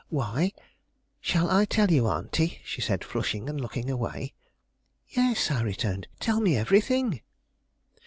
"Why? Shall I tell you, auntie?" she said, flushing and looking away. "Yes," I returned; "tell me everything."